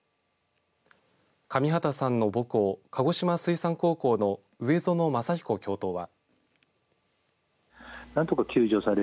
上畠さんの母校鹿児島水産高校の上園正彦教頭は。